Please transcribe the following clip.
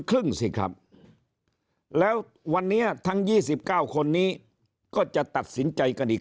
ครึ่งสิครับแล้ววันนี้ทั้ง๒๙คนนี้ก็จะตัดสินใจกันอีก